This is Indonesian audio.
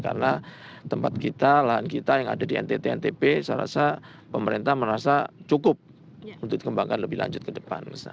karena tempat kita lahan kita yang ada di ntt ntp saya rasa pemerintah merasa cukup untuk kembangkan lebih lanjut ke depan